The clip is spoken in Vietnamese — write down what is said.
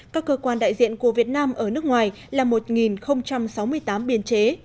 các cơ quan đại diện của việt nam ở nước ngoài là một sáu mươi tám biên chế